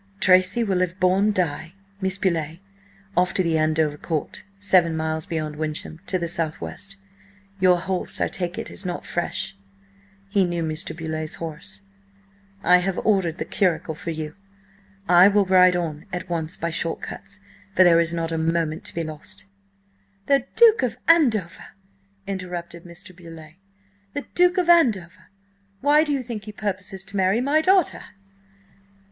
"Tracy will have borne Di–Miss Beauleigh off to Andover Court, seven miles beyond Wyncham, to the south west. Your horse, I take it, is not fresh" (he knew Mr. Beauleigh's horse). "I have ordered the curricle for you. I will ride on at once by short cuts, for there is not a moment to be lost—" "The Duke of Andover!" interrupted Mr. Beauleigh. "The Duke of Andover! Why, do you think he purposes to marry my daughter?"